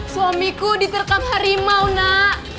suamiku diterkap harimau nak